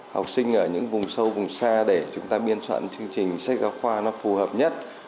học sinh ở những vùng sâu vùng xa để chúng ta biên soạn chương trình sách giáo khoa nó phù hợp nhất